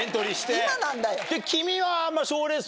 今なんだよ。